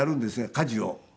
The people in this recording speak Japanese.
家事を。